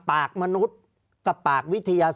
ภารกิจสรรค์ภารกิจสรรค์